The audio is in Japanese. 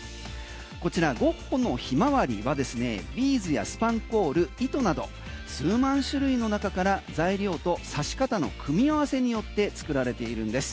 こちらゴッホの「ひまわり」はビーズやスパンコール糸など数万種類の中から材料と刺し方の組み合わせによって作られているんです。